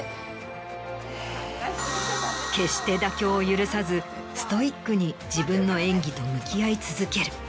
決して妥協を許さずストイックに自分の演技と向き合い続ける。